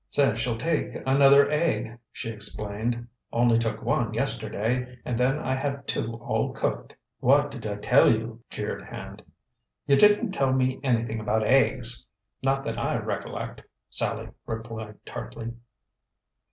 "Says she'll take another aig," she explained. "Only took one yesterday, and then I had two all cooked." "What did I tell you?" jeered Hand. "You didn't tell me anything about aigs, not that I recollect," Sallie replied tartly.